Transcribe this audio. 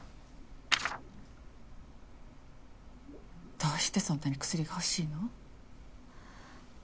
どうしてそんなに薬が欲しいの？